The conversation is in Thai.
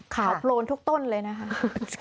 ขาวโพลนทุกต้นเลยนะคะ